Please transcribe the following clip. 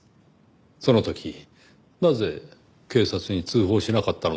その時なぜ警察に通報しなかったのですか？